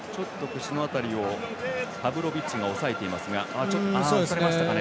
口の辺りをパブロビッチが押さえています。